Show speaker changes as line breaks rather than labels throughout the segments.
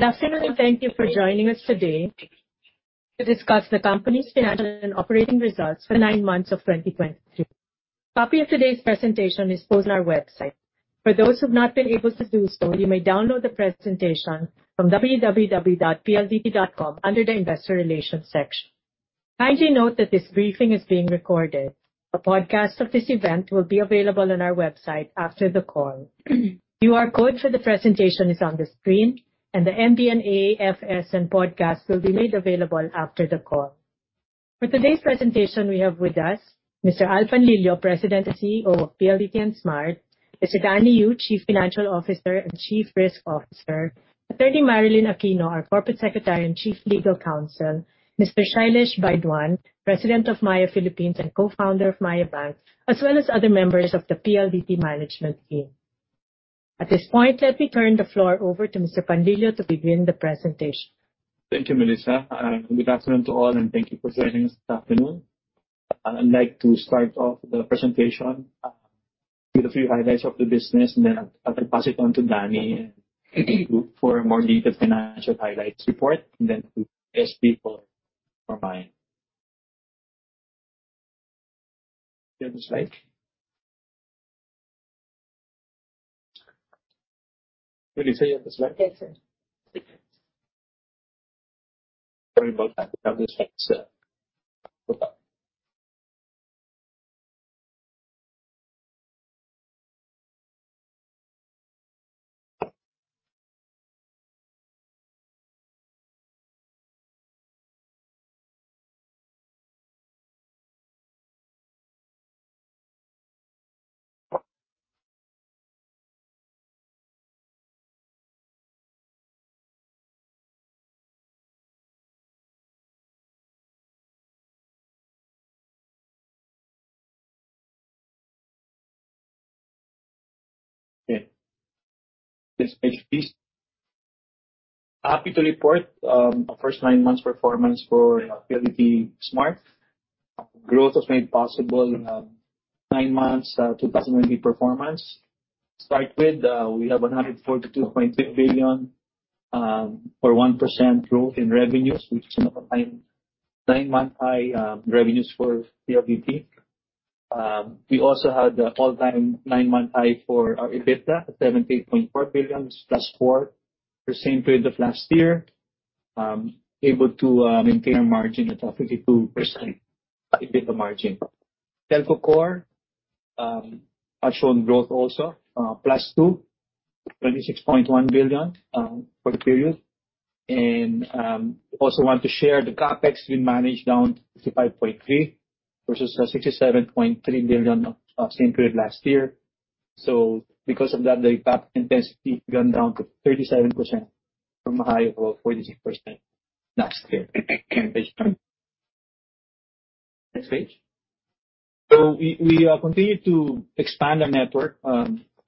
Good afternoon, and thank you for joining us today to discuss the company's financial and operating results for the nine months of 2023. A copy of today's presentation is posted on our website. For those who've not been able to do so, you may download the presentation from www.pldt.com under the Investor Relations section. Kindly note that this briefing is being recorded. A podcast of this event will be available on our website after the call. QR code for the presentation is on the screen, and the MD&A, FS and podcast will be made available after the call. For today's presentation, we have with us Mr. Al Panlilio, President and CEO of PLDT and Smart, Mr. Danny Yu, Chief Financial Officer and Chief Risk Officer, Attorney Marilyn Aquino, our Corporate Secretary and Chief Legal Counsel, Mr. Shailesh Baidwan, President of Maya Philippines and Co-founder of Maya Bank, as well as other members of the PLDT management team. At this point, let me turn the floor over to Mr. Panlilio to begin the presentation.
Thank you, Melissa. Good afternoon to all, and thank you for joining us this afternoon. I'd like to start off the presentation with a few highlights of the business, and then I'll pass it on to Danny for a more detailed financial highlights report, and then to SB for Maya. Do you have the slide? Melissa, you have the slide?
Yes, sir.
Sorry about that. I have the slide, sir. Okay. Next page, please. Happy to report, our first nine months performance for PLDT Smart. Growth was made possible, nine months, 2020 performance. Start with, we have 142.6 billion, or 1% growth in revenues, which is a nine-month high, revenues for PLDT. We also had the all-time nine-month high for our EBITDA, 70.4 billion, +4% for same period of last year. Able to maintain our margin at a 52% EBITDA margin. Telco Core has shown growth also, +2%, 26.1 billion, for the period. And, also want to share the CapEx we managed down to 55.3 billion versus 67.3 billion of same period last year. So because of that, the CapEx intensity gone down to 37% from a high of 46% last year. Next page. So we continue to expand our network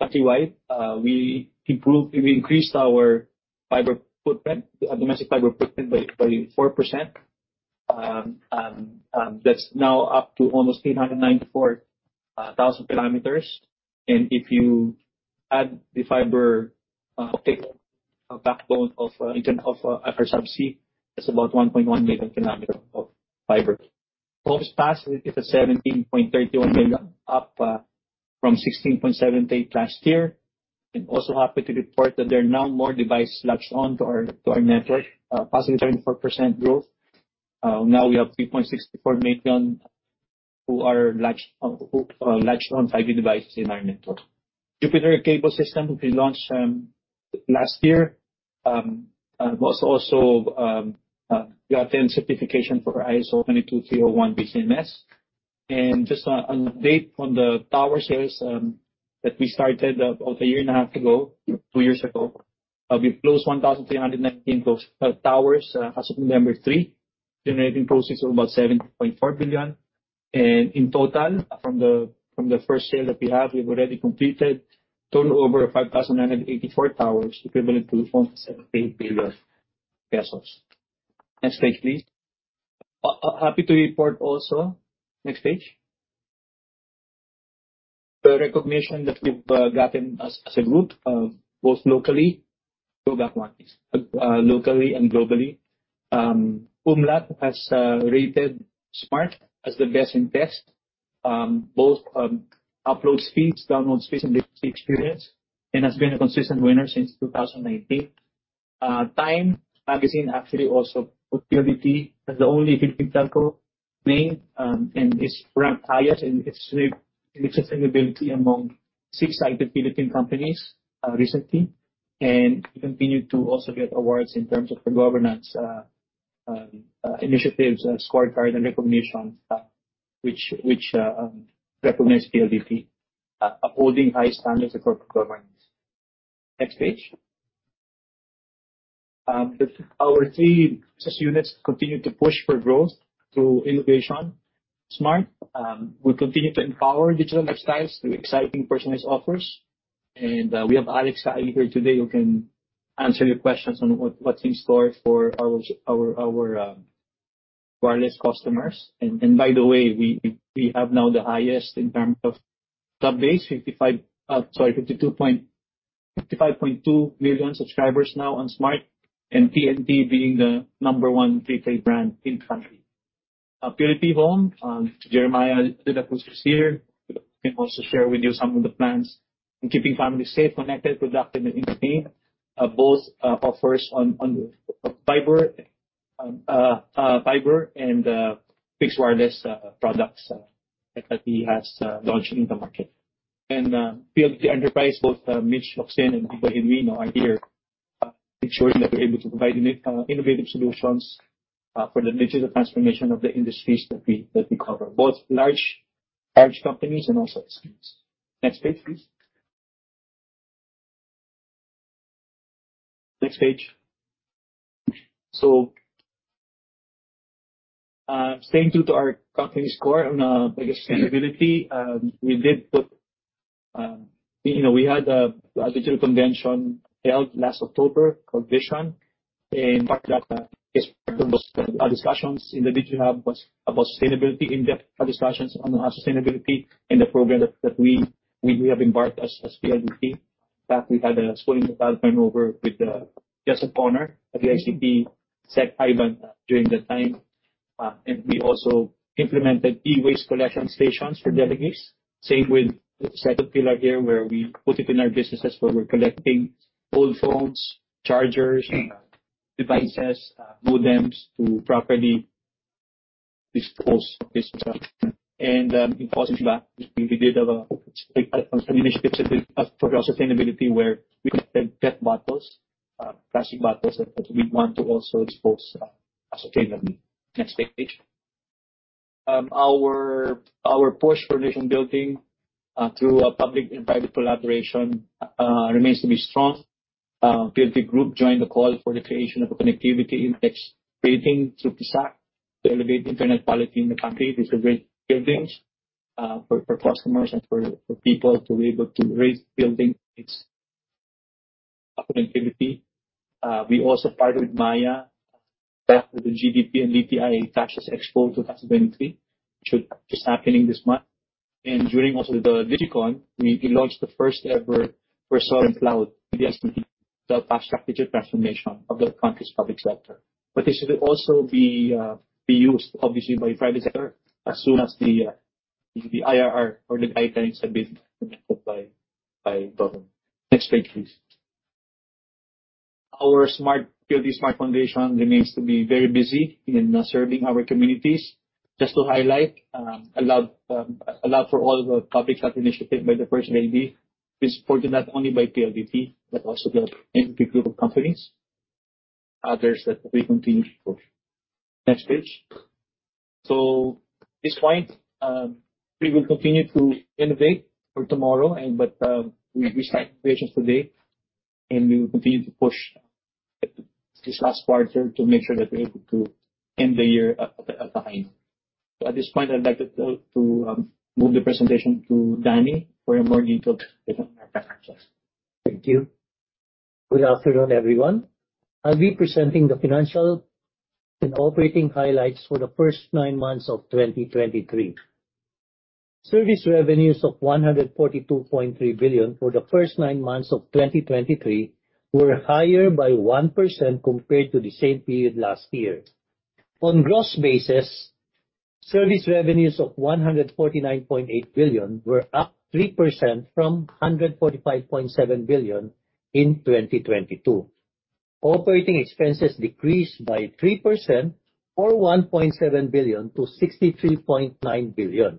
countrywide. We improved, we increased our fiber footprint, domestic fiber footprint by 44%. And that's now up to almost 394,000 kilometers. And if you add the fiber backbone of, in terms of, international subsea, it's about 1.1 million kilometers of fiber. Postpaid is at 17.31 million, up from 16.78 last year. And also happy to report that there are now more devices latched on to our network, passing 34% growth. Now we have 3.64 million who are latched on, who latched on five new devices in our network. Jupiter Cable System, which we launched last year, was also gotten certification for ISO 22301 BCMS. And just an update on the tower sales that we started about a year and a half ago, two years ago. We've closed 1,319 posts, towers as of November 3, generating proceeds of about 7.4 billion. And in total, from the first sale that we have, we've already completed total over 5,984 towers, equivalent to 4.78 billion pesos. Next page, please. Happy to report also... Next page. The recognition that we've gotten as a group, both locally. Go back one, please. Locally and globally, Umlaut has rated Smart as the best in test, both upload speeds, download speeds, and digital experience, and has been a consistent winner since 2018. TIME magazine actually also put PLDT as the only Philippine telco named, and is ranked highest in its its sustainability among six other Philippine companies, recently. And we continue to also get awards in terms of the governance initiatives scorecard, and recognition, which recognize PLDT upholding high standards of corporate governance. Next page. Our three business units continue to push for growth through innovation. Smart, we continue to empower digital lifestyles through exciting personalized offers. We have Alex Caeg here today, who can answer your questions on what's in store for our wireless customers, and by the way, we have now the highest in terms of subscriber base, 55.2 million subscribers now on Smart, and TNT being the number one prepaid brand in the country. PLDT Home, Jeremiah de la Cruz is here. He can also share with you some of the plans in keeping families safe, connected, productive, and entertained. Both offers on fiber and fixed wireless products that he has launched in the market. PLDT Enterprise, both Mitch Locsin and Ding Villarino are here, making sure that we're able to provide innovative solutions for the digital transformation of the industries that we, that we cover, both large, large companies and also SMEs. Next page, please. Next page. Staying true to our company score on, I guess, sustainability, we did put, you know, we had a digital convention held last October called Vision. And part of that is, part of those, discussions in the Digi Hub was about sustainability, in-depth, discussions on, sustainability and the program that, that we, we have embarked as, as PLDT. In fact, we had a swearing of ballroom over with, Joseph Horner of the ICP, Sec. Ivan, during the time. And we also implemented e-waste collection stations for delegates. Same with the second pillar here, where we put it in our businesses, where we're collecting old phones, chargers, devices, modems to properly dispose this stuff. And, in Positive Impact, we, we did have a some initiatives that we... As for our sustainability, where we collect PET bottles, plastic bottles, that, that we want to also dispose, sustainably. Next page. Our, our push for nation building, through, public and private collaboration, remains to be strong. PLDT Group joined the call for the creation of a connectivity index, creating through PSAC to elevate internet quality in the country with the raised buildings, for, for customers and for, for people to be able to raise building its connectivity. We also partnered with Maya, with the GDP and DTI Cashless Expo 2023, which is happening this month. During also the DigiCon, we launched the first-ever sovereign cloud in the Philippines, the fast strategic transformation of the country's public sector. But this will also be used obviously by private sector as soon as the IRR of the ICT is submitted by government. Next page, please. Our Smart, PLDT-Smart Foundation remains to be very busy in serving our communities. Just to highlight, a lot for all the public health initiatives by the first lady is supported not only by PLDT, but also the MVP Group of companies, others that we continue to push. Next page. So at this point, we will continue to innovate for tomorrow and but, we start innovations today, and we will continue to push this last quarter to make sure that we're able to end the year at the high note. So at this point, I'd like to move the presentation to Danny for a more in-depth look at our financials.
Thank you. Good afternoon, everyone. I'll be presenting the financial and operating highlights for the first nine months of 2023. Service revenues of 142.3 billion for the first nine months of 2023 were higher by 1% compared to the same period last year. On gross basis, service revenues of 149.8 billion were up 3% from 145.7 billion in 2022. Operating expenses decreased by 3% or 1.7 billion to 63.9 billion.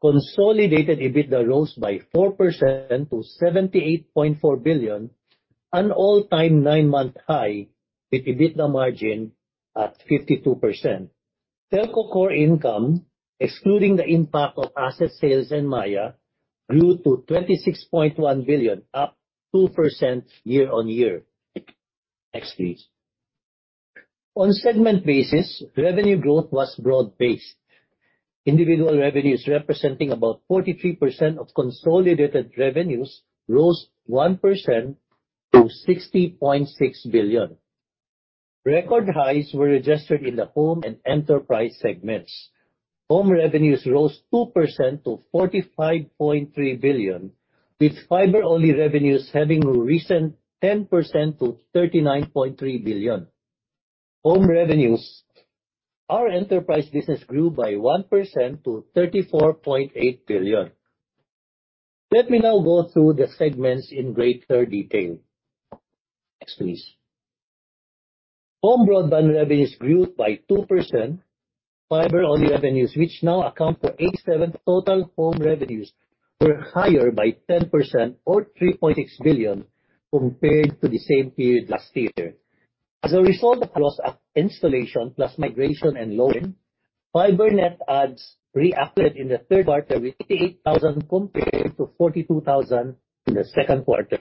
Consolidated EBITDA rose by 4% to 78.4 billion, an all-time nine-month high, with EBITDA margin at 52%. Telco core income, excluding the impact of asset sales and Maya, grew to 26.1 billion, up 2% year-on-year. Next, please. On a segment basis, revenue growth was broad-based. Individual revenues, representing about 43% of consolidated revenues, rose 1% to 60.6 billion. Record highs were registered in the home and enterprise segments. Home revenues rose 2% to 45.3 billion, with fiber-only revenues having risen 10% to 39.3 billion. Home revenues, our enterprise business grew by 1% to 34.8 billion. Let me now go through the segments in greater detail. Next, please. Home broadband revenues grew by 2%. Fiber-only revenues, which now account for 87% total home revenues, were higher by 10% or 3.6 billion compared to the same period last year. As a result of installation plus migration and loan, fiber net adds reactivated in the third quarter with 88,000 compared to 42,000 in the second quarter,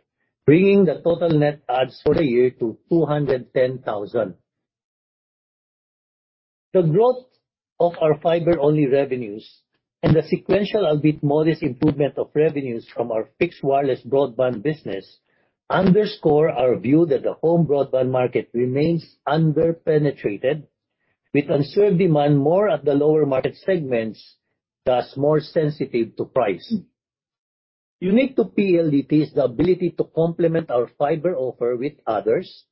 bringing the total net adds for the year to 210,000. The growth of our fiber-only revenues and the sequential, albeit modest, improvement of revenues from our fixed wireless broadband business underscore our view that the home broadband market remains under-penetrated, with unserved demand more at the lower market segments, thus more sensitive to price. Unique to PLDT is the ability to complement our fiber offer with others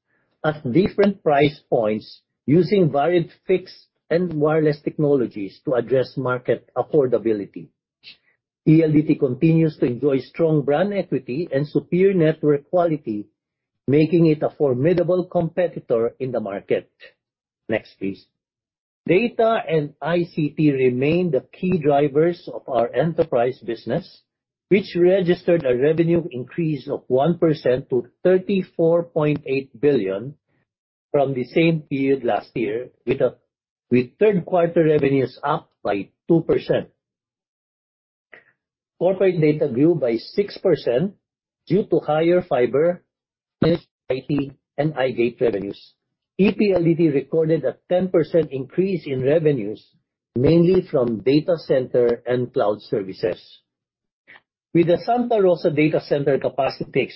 at different price points, using varied fixed and wireless technologies to address market affordability. PLDT continues to enjoy strong brand equity and superior network quality, making it a formidable competitor in the market. Next, please. Data and ICT remain the key drivers of our enterprise business, which registered a revenue increase of 1% to 34.8 billion from the same period last year, with third quarter revenues up by 2%. Corporate data grew by 6% due to higher fiber, IT, and iGate revenues. ePLDT recorded a 10% increase in revenues, mainly from data center and cloud services. With the Santa Rosa Data Center capacity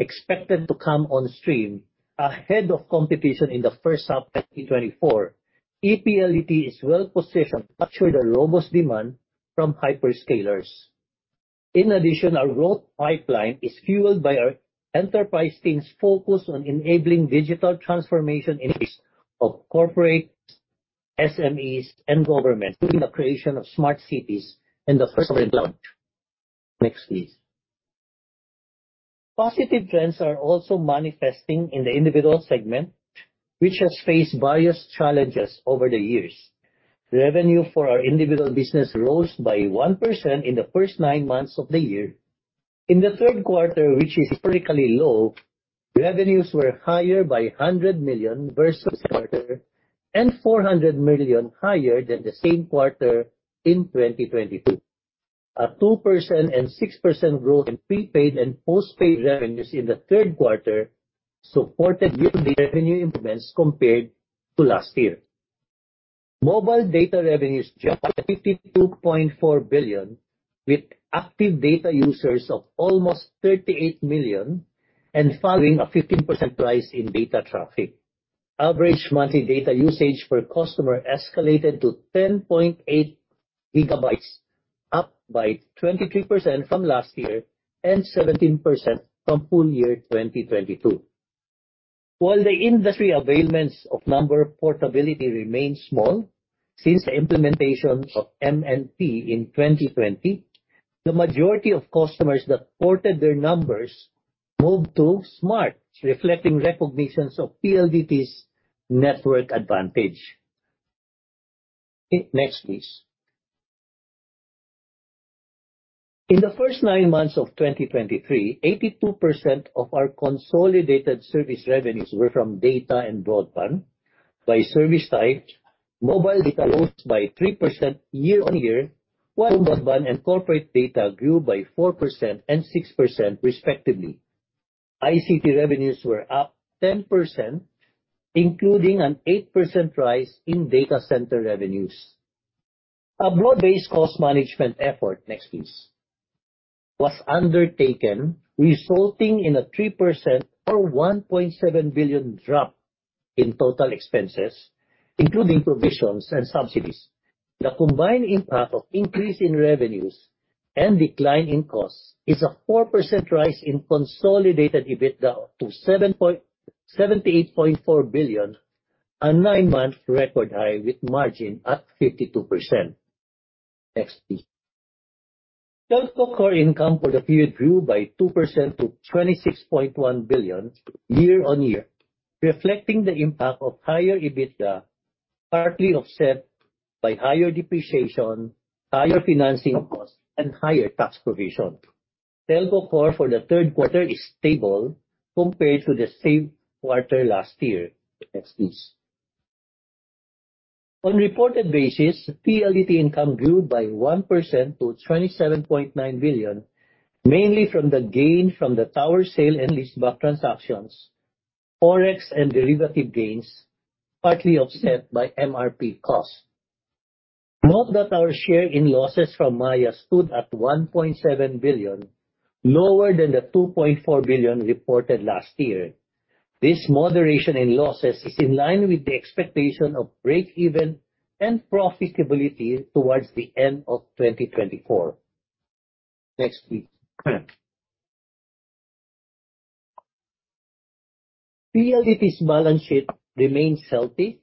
expected to come on stream ahead of competition in the first half of 2024, ePLDT is well positioned to capture the robust demand from hyperscalers. In addition, our growth pipeline is fueled by our enterprise teams focused on enabling digital transformation in areas of corporate, SMEs, and government, including the creation of smart cities and the first launch. Next, please. Positive trends are also manifesting in the individual segment, which has faced various challenges over the years. Revenue for our individual business rose by 1% in the first nine months of the year. In the third quarter, which is historically low, revenues were higher by 100 million versus quarter and 400 million higher than the same quarter in 2022. A 2% and 6% growth in prepaid and postpaid revenues in the third quarter supported year revenue improvements compared to last year. Mobile data revenues jumped to 52.4 billion, with active data users of almost 38 million and following a 15% rise in data traffic. Average monthly data usage per customer escalated to 10.8 GB, up by 23% from last year and 17% from full year 2022. While the industry availments of number portability remains small since the implementation of MNP in 2020, the majority of customers that ported their numbers moved to Smart, reflecting recognitions of PLDT's network advantage. Next, please. In the first 9 months of 2023, 82% of our consolidated service revenues were from data and broadband. By service type, mobile data rose by 3% year-on-year, while broadband and corporate data grew by 4% and 6% respectively. ICT revenues were up 10%, including an 8% rise in data center revenues. A broad-based cost management effort, next please, was undertaken, resulting in a 3% or 1.7 billion drop in total expenses, including provisions and subsidies. The combined impact of increase in revenues and decline in costs is a 4% rise in consolidated EBITDA to 78.4 billion, a nine-month record high, with margin at 52%. Next, please. Telco core income for the period grew by 2% to 26.1 billion year-on-year, reflecting the impact of higher EBITDA, partly offset by higher depreciation, higher financing costs, and higher tax provision. Telco core for the third quarter is stable compared to the same quarter last year. Next, please. On reported basis, PLDT income grew by 1% to 27.9 billion, mainly from the gain from the tower sale and leaseback transactions, Forex and derivative gains, partly offset by MRP costs. Note that our share in losses from Maya stood at 1.7 billion, lower than the 2.4 billion reported last year. This moderation in losses is in line with the expectation of breakeven and profitability towards the end of 2024. Next, please. PLDT's balance sheet remains healthy,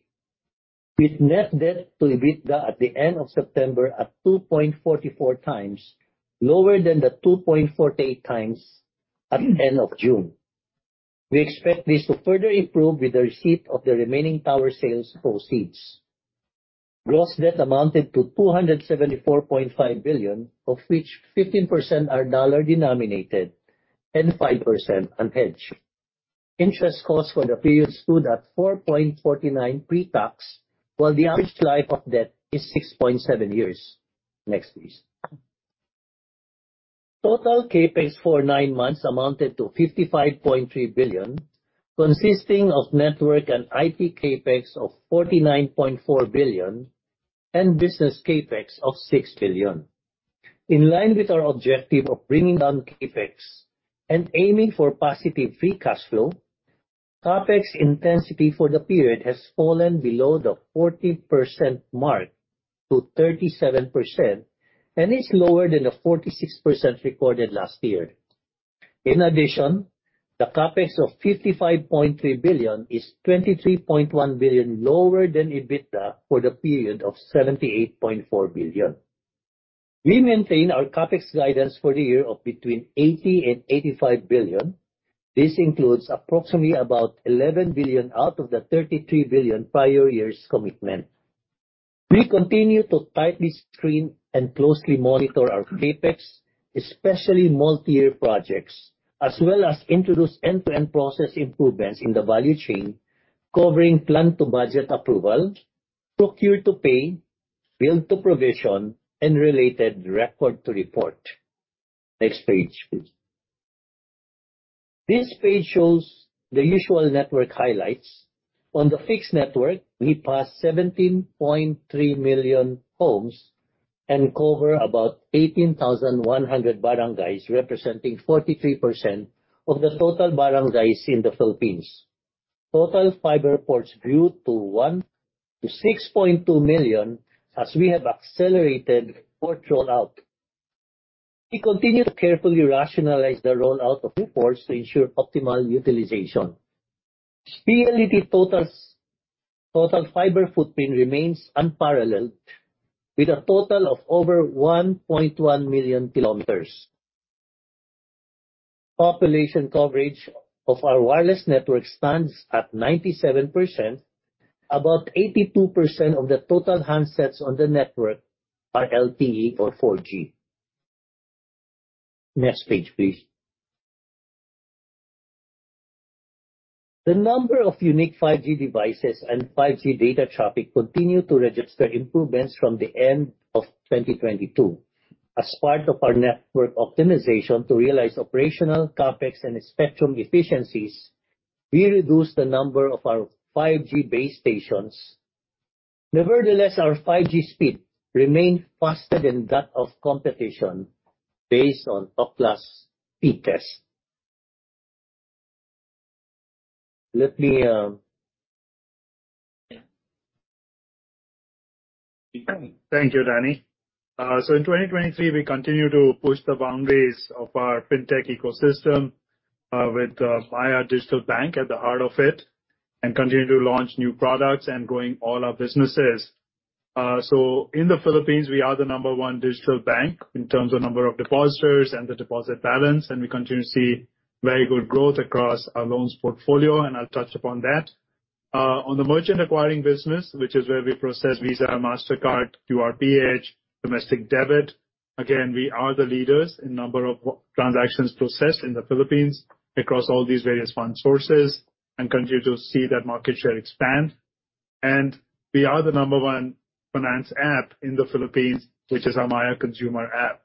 with net debt to EBITDA at the end of September at 2.44 times, lower than the 2.48 times at the end of June. We expect this to further improve with the receipt of the remaining tower sales proceeds. Gross debt amounted to 274.5 billion, of which 15% are dollar-denominated and 5% unhedged. Interest costs for the period stood at 4.49 billion pre-tax, while the average life of debt is 6.7 years. Next, please. Total CapEx for nine months amounted to 55.3 billion, consisting of network and IT CapEx of 49.4 billion and business CapEx of 6 billion. In line with our objective of bringing down CapEx and aiming for positive free cash flow, CapEx intensity for the period has fallen below the 40% mark to 37% and is lower than the 46% recorded last year. In addition, the CapEx of 55.3 billion is 23.1 billion lower than EBITDA for the period of 78.4 billion. We maintain our CapEx guidance for the year of between 80 billion and 85 billion. This includes approximately about 11 billion out of the 33 billion prior year's commitment. We continue to tightly screen and closely monitor our CapEx, especially multi-year projects, as well as introduce end-to-end process improvements in the value chain, covering plan to budget approval, procure to pay, build to provision, and related record to report. Next page, please. This page shows the usual network highlights. On the fixed network, we passed 17.3 million homes and cover about 18,100 barangays, representing 43% of the total barangays in the Philippines. Total fiber ports grew to 116.2 million, as we have accelerated port rollout. We continue to carefully rationalize the rollout of new ports to ensure optimal utilization. PLDT's total fiber footprint remains unparalleled, with a total of over 1.1 million kilometers. Population coverage of our wireless network stands at 97%. About 82% of the total handsets on the network are LTE or 4G. Next page, please. The number of unique 5G devices and 5G data traffic continue to register improvements from the end of 2022. As part of our network optimization to realize operational CapEx and spectrum efficiencies, we reduced the number of our 5G base stations. Nevertheless, our 5G speed remained faster than that of competition based on Ookla's speed test. Let me,
Thank you, Danny. So in 2023, we continued to push the boundaries of our fintech ecosystem, with Maya Digital Bank at the heart of it, and continued to launch new products and growing all our businesses. So in the Philippines, we are the number one digital bank in terms of number of depositors and the deposit balance, and we continue to see very good growth across our loans portfolio, and I'll touch upon that. On the merchant acquiring business, which is where we process Visa, Mastercard, QR Ph, domestic debit, again, we are the leaders in number of transactions processed in the Philippines across all these various fund sources and continue to see that market share expand. And we are the number one finance app in the Philippines, which is our Maya consumer app.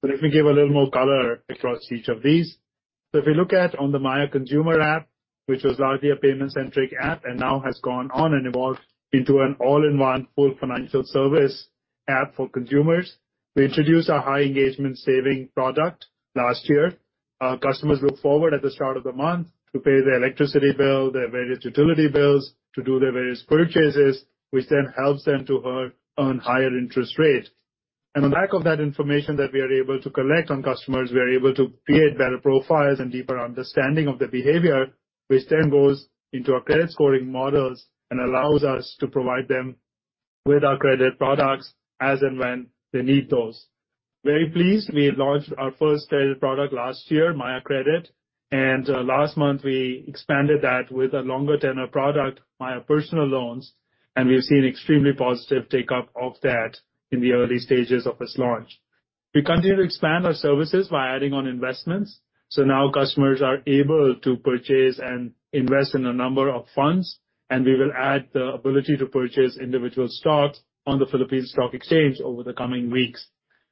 So let me give a little more color across each of these. So if we look at on the Maya consumer app, which was largely a payment-centric app and now has gone on and evolved into an all-in-one full financial service app for consumers, we introduced our high engagement saving product last year. Our customers look forward at the start of the month to pay their electricity bill, their various utility bills, to do their various purchases, which then helps them to earn higher interest rate. And on the back of that information that we are able to collect on customers, we are able to create better profiles and deeper understanding of their behavior, which then goes into our credit scoring models and allows us to provide them with our credit products as and when they need those. Very pleased, we launched our first credit product last year, Maya Credit, and last month, we expanded that with a longer tenure product, Maya Personal Loans, and we've seen extremely positive take-up of that in the early stages of its launch. We continue to expand our services by adding on investments, so now customers are able to purchase and invest in a number of funds, and we will add the ability to purchase individual stocks on the Philippine Stock Exchange over the coming weeks.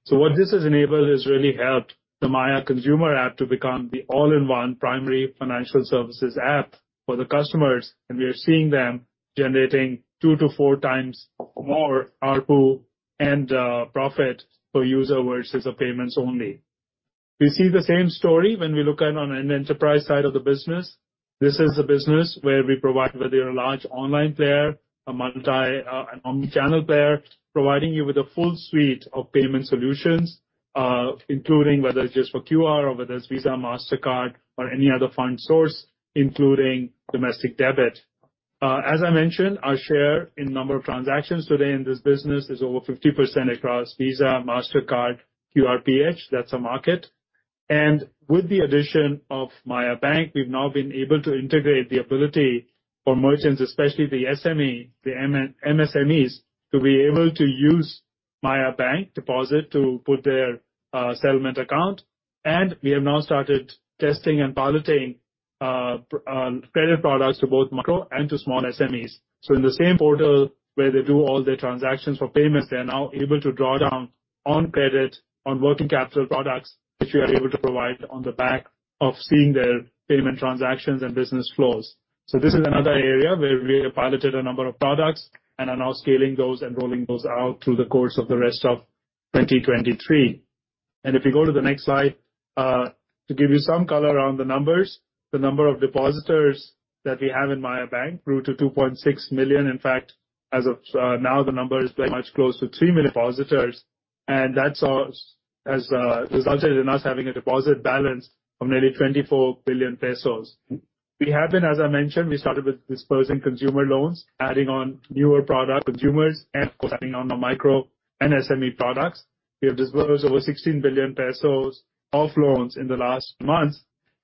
So what this has enabled has really helped the Maya consumer app to become the all-in-one primary financial services app for the customers, and we are seeing them generating 2-4 times more ARPU and profit per user versus the payments only. We see the same story when we look at on an enterprise side of the business. This is a business where we provide, whether you're a large online player, a multi-, an omni-channel player, providing you with a full suite of payment solutions, including whether it's just for QR or whether it's Visa, Mastercard, or any other fund source, including domestic debit. As I mentioned, our share in number of transactions today in this business is over 50% across Visa, Mastercard, QR Ph, that's a market. With the addition of Maya Bank, we've now been able to integrate the ability for merchants, especially the SME, the MSMEs, to be able to use Maya Bank deposit to put their, settlement account. We have now started testing and piloting credit products to both micro and to small SMEs. So in the same portal where they do all their transactions for payments, they are now able to draw down on credit, on working capital products, which we are able to provide on the back of seeing their payment transactions and business flows. So this is another area where we have piloted a number of products and are now scaling those and rolling those out through the course of the rest of 2023. And if you go to the next slide, to give you some color around the numbers, the number of depositors that we have in Maya Bank grew to 2.6 million. In fact, as of now, the number is very much close to 3 million depositors, and that has all resulted in us having a deposit balance of nearly 24 billion pesos. We have been, as I mentioned, we started with disbursing consumer loans, adding on newer product consumers and adding on the micro and SME products. We have disbursed over 16 billion pesos of loans in the last month.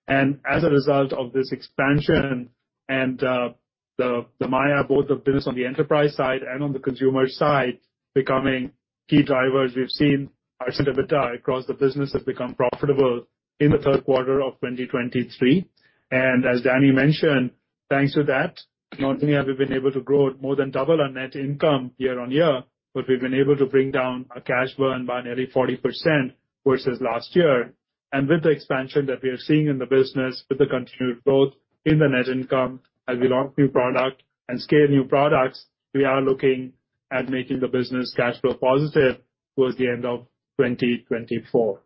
And as a result of this expansion and the Maya, both the business on the enterprise side and on the consumer side, becoming key drivers, we've seen our EBITDA across the business have become profitable in the third quarter of 2023. And as Danny mentioned, thanks to that, not only have we been able to grow more than double our net income year-on-year, but we've been able to bring down our cash burn by nearly 40% versus last year. With the expansion that we are seeing in the business, with the continued growth in the net income, as we launch new product and scale new products, we are looking at making the business cash flow positive towards the end of 2024.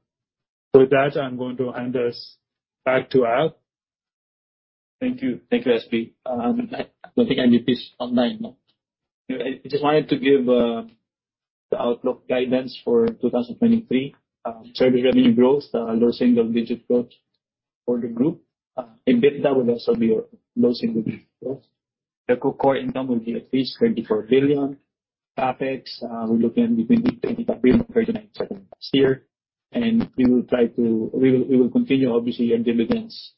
With that, I'm going to hand this back to Al.
Thank you. Thank you, SB. I don't think MVP is online now. I just wanted to give the outlook guidance for 2023. Trade revenue growth, low single digit growth for the group. EBITDA will also be low single digit growth. The core income will be at least 24 billion. CapEx, we're looking at between 25 billion and 39 billion this year, and we will try to—we will, we will continue, obviously, our dividends.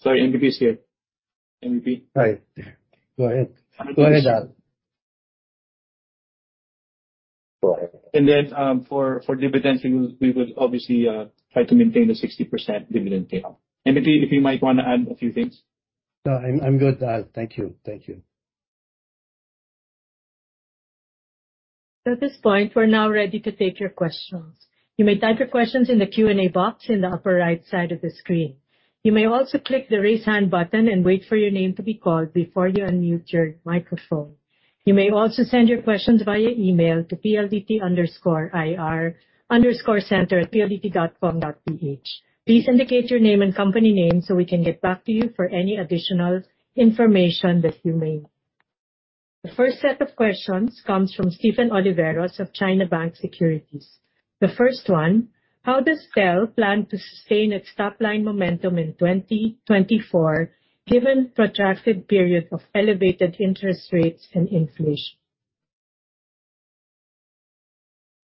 Sorry, MVP is here. MVP? Hi. Go ahead. Go ahead, Al. Go ahead. And then, for, for dividends, we will, we will obviously, try to maintain the 60% dividend payout. MVP, if you might want to add a few things. No, I'm, I'm good, Al. Thank you. Thank you.
At this point, we're now ready to take your questions. You may type your questions in the Q&A box in the upper right side of the screen. You may also click the Raise Hand button and wait for your name to be called before you unmute your microphone. You may also send your questions via email to pldt_ir_center@pldt.com.ph. Please indicate your name and company name so we can get back to you for any additional information that you may need. The first set of questions comes from Stephen Oliveros of China Bank Securities. The first one: How does Tel plan to sustain its top-line momentum in 2024, given protracted period of elevated interest rates and inflation?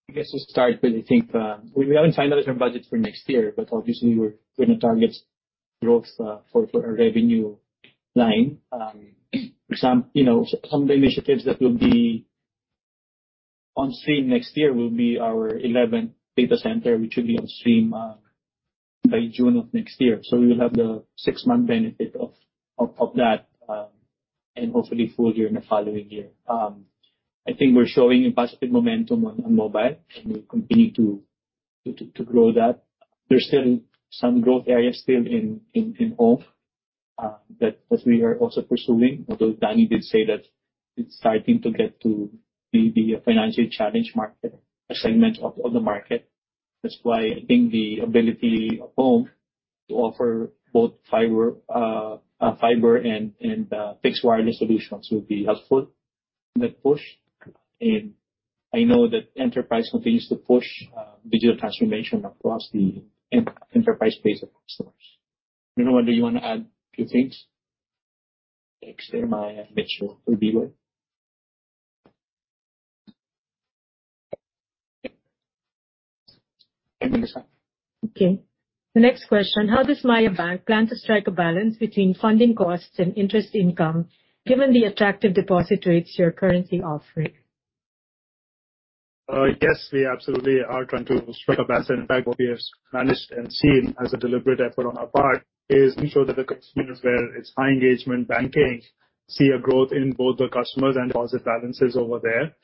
I guess to start with, I think, we haven't finalized our budget for next year, but obviously we're going to target growth for our revenue line. Some, you know, some of the initiatives that will be on stream next year will be our 11th data center, which will be on stream by June of next year. So we will have the six-month benefit of that, and hopefully full year in the following year. I think we're showing a positive momentum on mobile, and we'll continue to grow that. There's still some growth areas still in home that we are also pursuing, although Danny did say that it's starting to get to be the financially challenged market, a segment of the market. That's why I think the ability of Home to offer both fiber and fixed wireless solutions will be helpful in that push. And I know that Enterprise continues to push digital transformation across the enterprise base of customers. You know what, do you want to add a few things? Alex, Mitch, and Melissa will be well.
Okay. The next question: How does Maya Bank plan to strike a balance between funding costs and interest income, given the attractive deposit rates you're currently offering?
Yes, we absolutely are trying to strike a balance. In fact, what we have managed and seen as a deliberate effort on our part is ensure that the customers where it's high engagement banking see a growth in both the customers and deposit balances over there,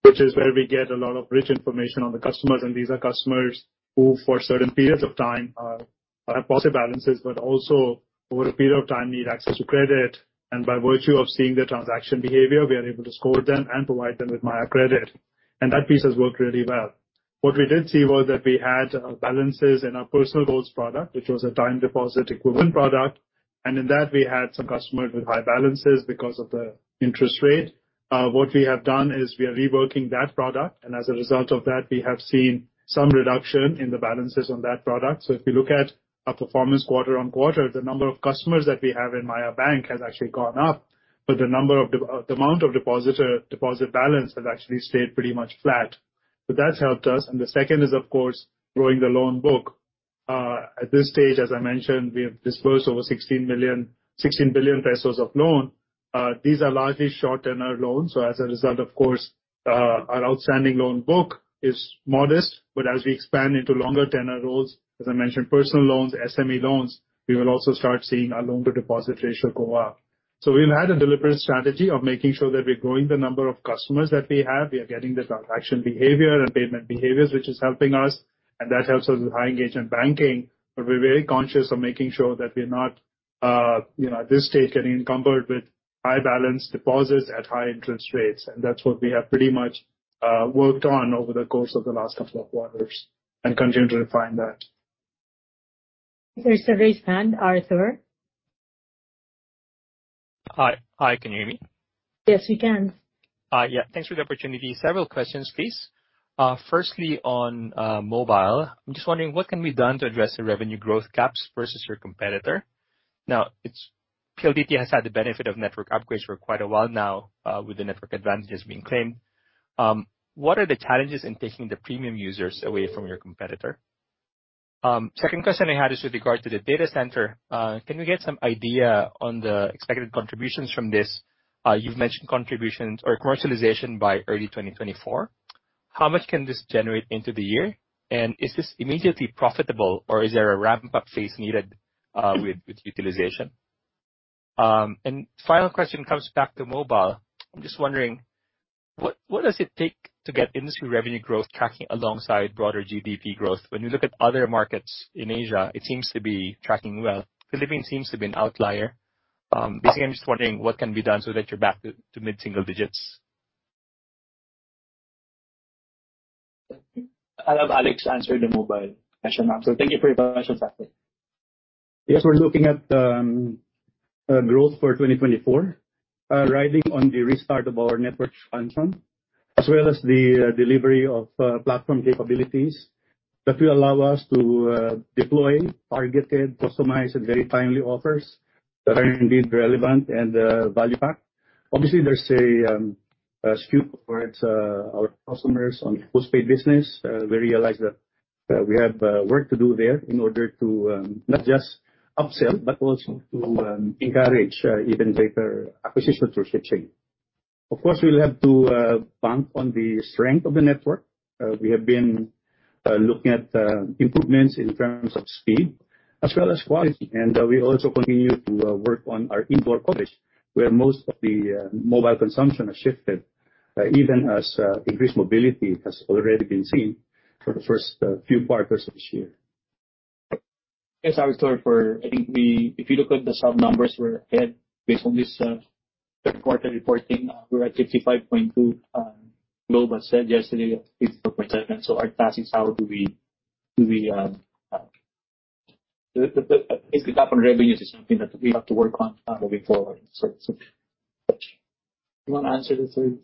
which is where we get a lot of rich information on the customers, and these are customers who, for certain periods of time, have positive balances but also over a period of time need access to credit. And by virtue of seeing their transaction behavior, we are able to score them and provide them with Maya Credit. And that piece has worked really well. What we did see was that we had balances in our personal loans product, which was a time deposit equivalent product, and in that, we had some customers with high balances because of the interest rate. What we have done is we are reworking that product, and as a result of that, we have seen some reduction in the balances on that product. So if you look at our performance quarter-over-quarter, the number of customers that we have in Maya Bank has actually gone up, but the amount of deposit, deposit balance has actually stayed pretty much flat. But that's helped us. And the second is, of course, growing the loan book. At this stage, as I mentioned, we have disbursed over 16 billion pesos of loan.... These are largely short-term loans, so as a result, of course, our outstanding loan book is modest. But as we expand into longer tenure loans, as I mentioned, personal loans, SME loans, we will also start seeing our loan-to-deposit ratio go up. So we've had a deliberate strategy of making sure that we're growing the number of customers that we have. We are getting the transaction behavior and payment behaviors, which is helping us, and that helps us with high engagement banking. But we're very conscious of making sure that we're not, you know, at this stage, getting encumbered with high balance deposits at high interest rates. And that's what we have pretty much worked on over the course of the last couple of quarters and continue to refine that.
There's a raised hand. Arthur?
Hi. Hi, can you hear me?
Yes, we can.
Yeah. Thanks for the opportunity. Several questions, please. Firstly, on mobile, I'm just wondering what can be done to address the revenue growth gaps versus your competitor? Now, it's PLDT has had the benefit of network upgrades for quite a while now, with the network advantages being claimed. What are the challenges in taking the premium users away from your competitor? Second question I had is with regard to the data center. Can we get some idea on the expected contributions from this? You've mentioned contributions or commercialization by early 2024. How much can this generate into the year? And is this immediately profitable, or is there a ramp-up phase needed, with utilization? And final question comes back to mobile. I'm just wondering, what does it take to get industry revenue growth tracking alongside broader GDP growth? When you look at other markets in Asia, it seems to be tracking well. Philippines seems to be an outlier. Basically, I'm just wondering what can be done so that you're back to mid-single digits.
I'll have Alex answer the mobile question. So thank you for your question, Patrick.
Yes, we're looking at growth for 2024, riding on the restart of our network function, as well as the delivery of platform capabilities that will allow us to deploy targeted, customized, and very timely offers that are indeed relevant and value pack. Obviously, there's a skew towards our customers on postpaid business. We realize that we have work to do there in order to not just upsell, but also to encourage even greater acquisition through switching. Of course, we will have to bank on the strength of the network. We have been looking at improvements in terms of speed as well as quality, and we also continue to work on our indoor coverage, where most of the mobile consumption has shifted, even as increased mobility has already been seen for the first few quarters of this year.
Yes, Arthur, for I think we—if you look at the sub numbers we're ahead, based on this third quarter reporting, we're at 55.2. Global said yesterday at 54%. So our task is how do we. The basic top on revenues is something that we have to work on moving forward. So, you want to answer this one?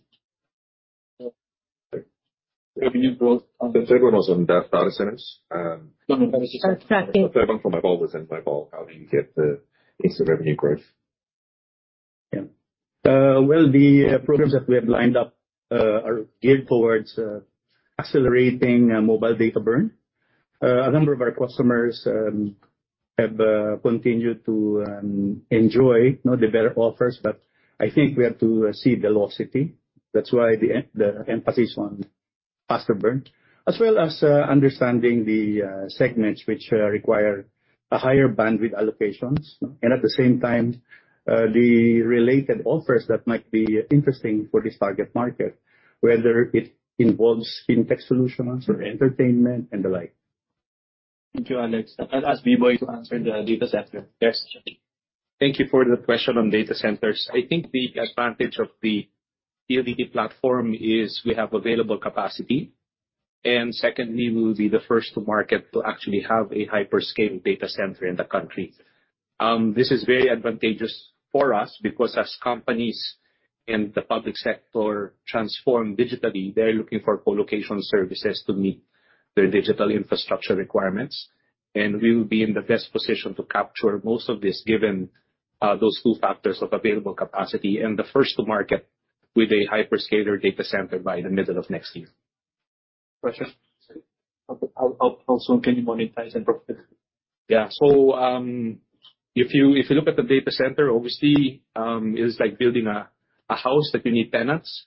Revenue growth.
The third one was on the data centers.
Mm, sorry.
The third one from mobile was in mobile, how do you get the instant revenue growth?
Yeah. Well, the programs that we have lined up are geared towards accelerating mobile data burn. A number of our customers have continued to enjoy, you know, the better offers, but I think we have to see velocity. That's why the emphasis on faster burn, as well as understanding the segments which require a higher bandwidth allocations. And at the same time, the related offers that might be interesting for this target market, whether it involves fintech solutions or entertainment and the like.
Thank you, Alex. I'll ask Biboy to answer the data center. Yes.
Thank you for the question on data centers. I think the advantage of the PLDT platform is we have available capacity, and secondly, we will be the first to market to actually have a hyperscale data center in the country. This is very advantageous for us because as companies in the public sector transform digitally, they're looking for colocation services to meet their digital infrastructure requirements. We will be in the best position to capture most of this, given those two factors of available capacity and the first to market with a hyperscaler data center by the middle of next year.
Question. How, how, how soon can you monetize and profit?
Yeah. So, if you, if you look at the data center, obviously, it's like building a, a house, like you need tenants.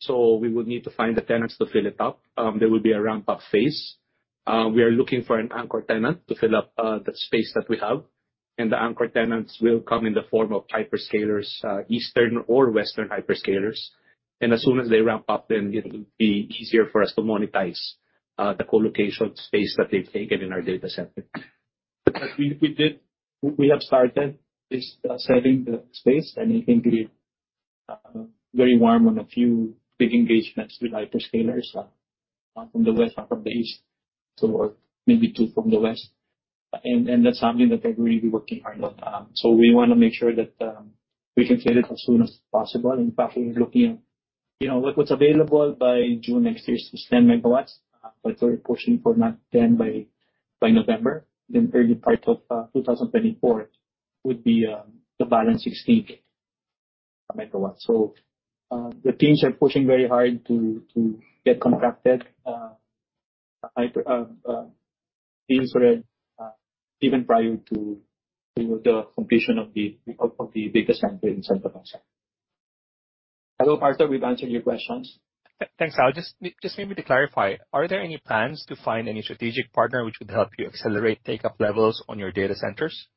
So we would need to find the tenants to fill it up. There will be a ramp-up phase. We are looking for an anchor tenant to fill up, the space that we have, and the anchor tenants will come in the form of hyperscalers, Eastern or Western hyperscalers. And as soon as they ramp up, then it will be easier for us to monetize, the colocation space that they've taken in our data center.
But we have started this serving the space, and I think we're very warm on a few big engagements with hyperscalers from the West, not from the East, so or maybe two from the West. And that's something that we're really working hard on. So we want to make sure that we can get it as soon as possible. In fact, we're looking at you know what what's available by June next year is 10 MW, but we're pushing for not 10 by November, then early part of 2024 would be the balance 16 MW. So the teams are pushing very hard to get contracted....
these were even prior to, you know, the completion of the, of the data center in Santa Rosa. Hello, Arthur, we've answered your questions.
Thanks, Al. Just maybe to clarify, are there any plans to find any strategic partner which would help you accelerate takeoff levels on your data centers?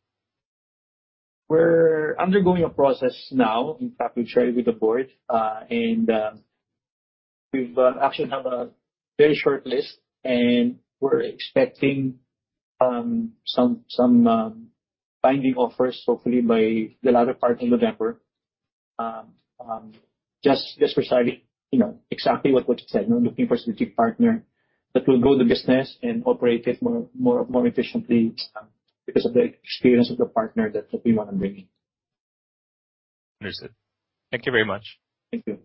We're undergoing a process now. In fact, we've shared it with the board, and we've actually have a very short list, and we're expecting some binding offers, hopefully by the latter part in November. Just reciting, you know, exactly what you said, you know, looking for a strategic partner that will grow the business and operate it more efficiently, because of the experience of the partner that we want to bring in.
Understood. Thank you very much.
Thank you.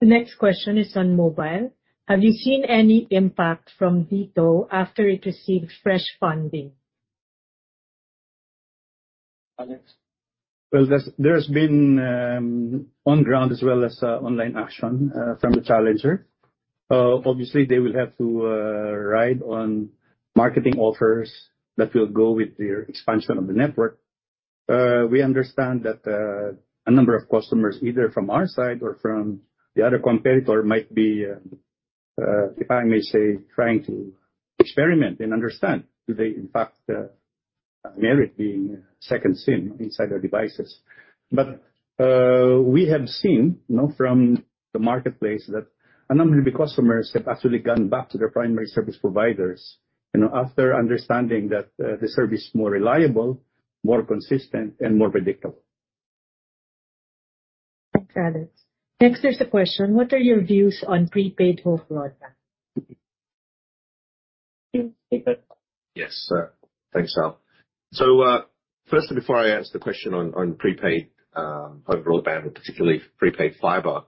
The next question is on mobile. Have you seen any impact from Dito after it received fresh funding?
Alex?
Well, there's been on ground as well as online action from the challenger. Obviously they will have to ride on marketing offers that will go with their expansion of the network. We understand that a number of customers, either from our side or from the other competitor, might be, if I may say, trying to experiment and understand, do they, in fact, merit being a second SIM inside their devices? But we have seen, you know, from the marketplace that a number of the customers have actually gone back to their primary service providers, you know, after understanding that the service is more reliable, more consistent, and more predictable.
Thanks, Alex. Next, there's a question: What are your views on prepaid home broadband? Please, take it.
Yes, thanks, Al. So, firstly, before I answer the question on prepaid, home broadband, and particularly prepaid fiber,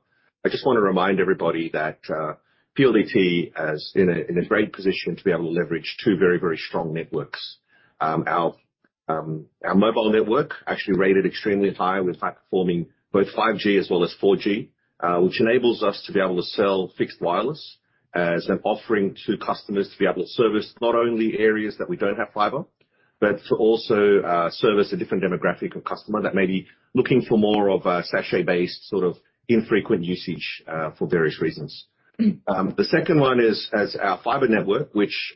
I just want to remind everybody that PLDT is in a great position to be able to leverage two very, very strong networks. Our mobile network actually rated extremely high. We're in fact performing both 5G as well as 4G, which enables us to be able to sell fixed wireless as an offering to customers to be able to service not only areas that we don't have fiber, but to also service a different demographic of customer that may be looking for more of a sachet-based, sort of, infrequent usage, for various reasons. The second one is our fiber network, which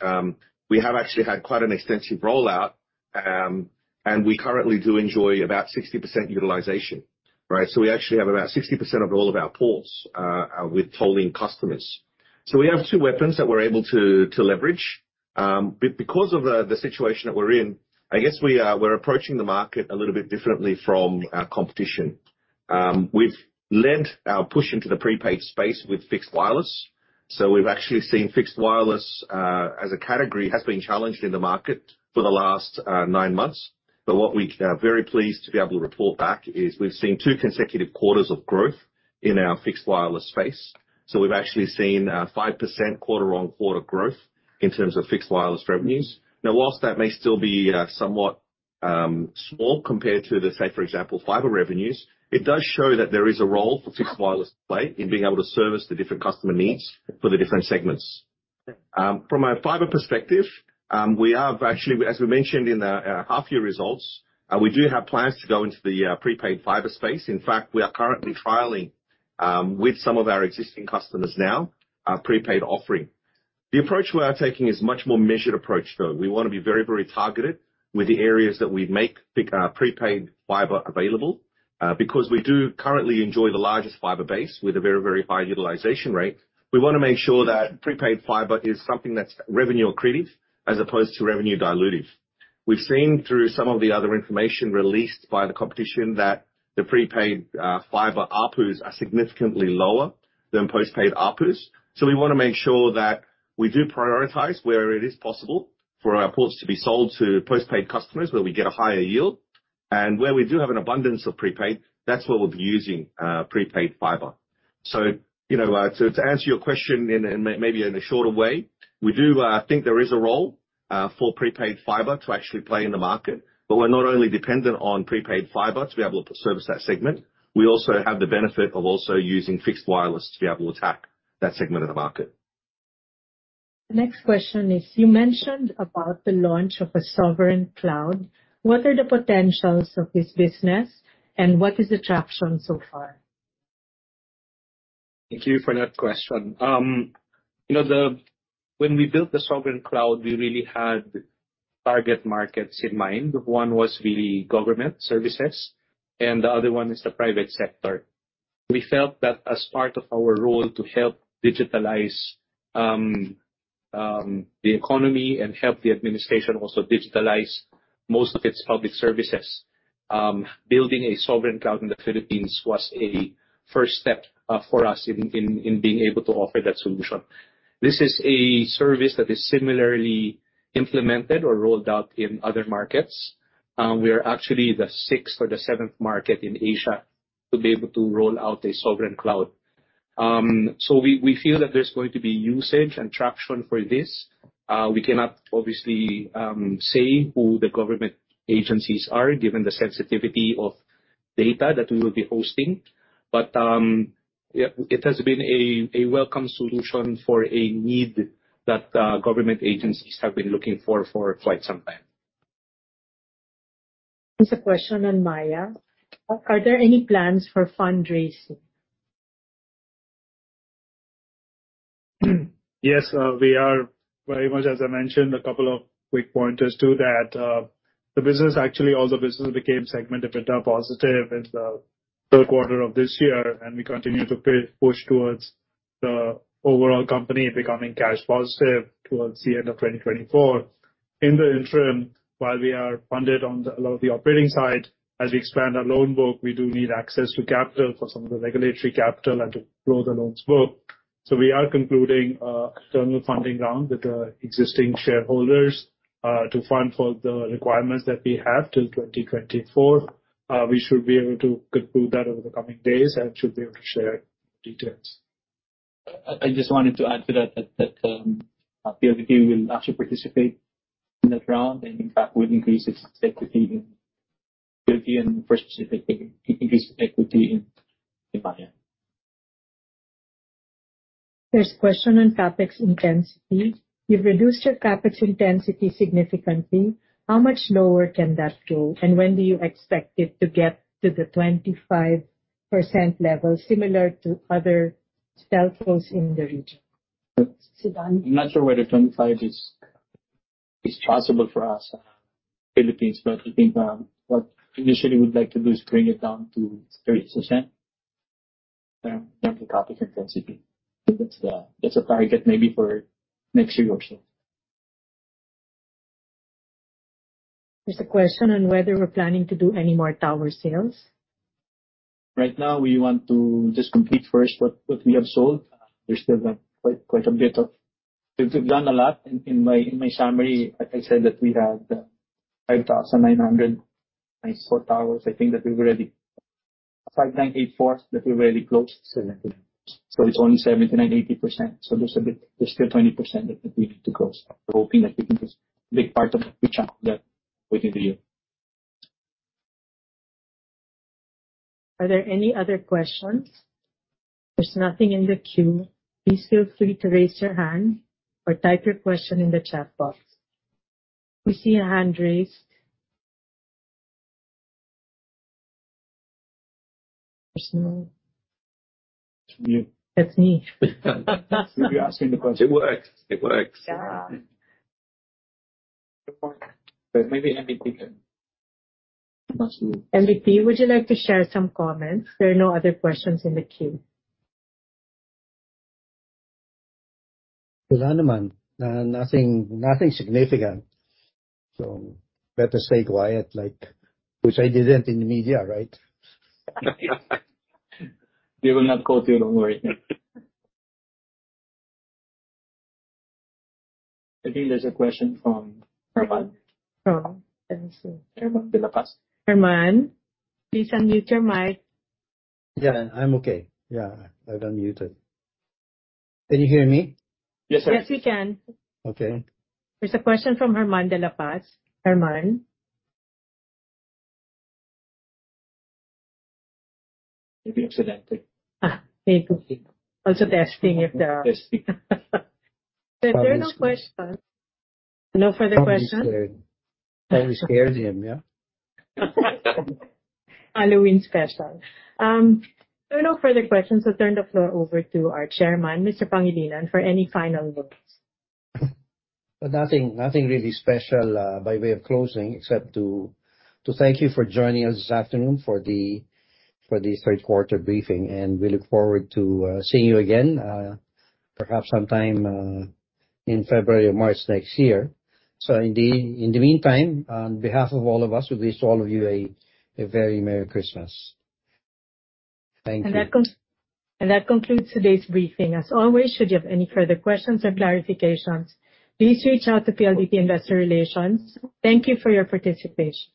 we have actually had quite an extensive rollout, and we currently do enjoy about 60% utilization, right? So we actually have about 60% of all of our ports with tolling customers. So we have two weapons that we're able to leverage. Because of the situation that we're in, I guess we're approaching the market a little bit differently from our competition. We've lent our push into the prepaid space with fixed wireless. So we've actually seen fixed wireless as a category has been challenged in the market for the last nine months. But what we are very pleased to be able to report back is we've seen two consecutive quarters of growth in our fixed wireless space. So we've actually seen 5% quarter-on-quarter growth in terms of fixed wireless revenues. Now, while that may still be somewhat small compared to the, say, for example, fiber revenues, it does show that there is a role for fixed wireless to play in being able to service the different customer needs for the different segments. From a fiber perspective, we have actually, as we mentioned in our half year results, we do have plans to go into the prepaid fiber space. In fact, we are currently trialing with some of our existing customers now, our prepaid offering. The approach we are taking is a much more measured approach, though. We want to be very, very targeted with the areas that we make the prepaid fiber available. Because we do currently enjoy the largest fiber base with a very, very high utilization rate, we want to make sure that prepaid fiber is something that's revenue accretive as opposed to revenue dilutive. We've seen through some of the other information released by the competition that the prepaid fiber ARPUs are significantly lower than postpaid ARPUs. So we want to make sure that we do prioritize where it is possible for our ports to be sold to postpaid customers where we get a higher yield. And where we do have an abundance of prepaid, that's where we'll be using prepaid fiber. So, you know, to answer your question in maybe a shorter way, we do think there is a role for prepaid fiber to actually play in the market. But we're not only dependent on prepaid fiber to be able to service that segment, we also have the benefit of also using fixed wireless to be able to attack that segment of the market.
The next question is: You mentioned about the launch of a Sovereign Cloud. What are the potentials of this business, and what is the traction so far?
Thank you for that question. You know, when we built the Sovereign Cloud, we really had target markets in mind. One was really government services, and the other one is the private sector. We felt that as part of our role to help digitalize the economy and help the administration also digitalize most of its public services, building a Sovereign Cloud in the Philippines was a first step for us in being able to offer that solution. This is a service that is similarly implemented or rolled out in other markets. We are actually the sixth or the seventh market in Asia to be able to roll out a Sovereign Cloud. So we feel that there's going to be usage and traction for this. We cannot obviously say who the government agencies are, given the sensitivity of-... data that we will be hosting. But, yeah, it has been a welcome solution for a need that government agencies have been looking for, for quite some time.
There's a question on Maya. Are there any plans for fundraising?
Yes, we are very much as I mentioned, a couple of quick pointers to that. The business actually, all the business became segment EBITDA positive in the third quarter of this year, and we continue to push towards the overall company becoming cash positive towards the end of 2024. In the interim, while we are funded on a lot of the operating side, as we expand our loan book, we do need access to capital for some of the regulatory capital and to grow the loans book. So we are concluding external funding round with the existing shareholders to fund for the requirements that we have till 2024. We should be able to conclude that over the coming days and should be able to share details.
I just wanted to add to that. PLDT will actually participate in that round and, in fact, will increase its equity, and more specifically, increase equity in Maya.
There's a question on CapEx intensity. You've reduced your CapEx intensity significantly. How much lower can that go? And when do you expect it to get to the 25% level, similar to other telcos in the region? Si Danny.
I'm not sure whether 25 is, is possible for us, Philippines, but I think what initially we'd like to do is bring it down to 30%, the CapEx intensity. So that's the target maybe for next year or so.
There's a question on whether we're planning to do any more tower sales.
Right now, we want to just complete first what we have sold. We still got quite, quite a bit of... We've done a lot. In my summary, I said that we have the 5,904 towers. I think that we've already 5,984 that we've already closed. So it's only 79%-80%. So there's a bit—there's still 20% that we need to close. We're hoping that we can just take part of the channel that we can do.
Are there any other questions? There's nothing in the queue. Please feel free to raise your hand or type your question in the chat box. We see a hand raised. There's no.
It's you.
It's me.
You're asking the question.
It works. It works.
Yeah.
But maybe MVP can.
MVP, would you like to share some comments? There are no other questions in the queue.
Wala naman. Nothing, nothing significant. So better stay quiet, like, which I didn't in the media, right?
They will not quote you, don't worry. I think there's a question from Herman.
Oh, Herman de la Paz. Herman, please unmute your mic.
Yeah, I'm okay. Yeah, I've unmuted. Can you hear me?
Yes, sir.
Yes, we can.
Okay.
There's a question from Herman de la Paz. Herman?
Maybe accidentally.
Ah, there you go. Also, testing if there are.
There are no questions.
No further questions?
Probably scared. Probably scared him, yeah?
Halloween special. There are no further questions, so turn the floor over to our chairman, Mr. Pangilinan, for any final notes.
But nothing, nothing really special by way of closing, except to thank you for joining us this afternoon for the third quarter briefing. And we look forward to seeing you again, perhaps sometime in February or March next year. So in the meantime, on behalf of all of us, we wish all of you a very merry Christmas. Thank you.
That concludes today's briefing. As always, should you have any further questions or clarifications, please reach out to PLDT Investor Relations. Thank you for your participation.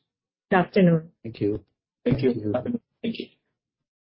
Good afternoon.
Thank you.
Thank you.
Thank you.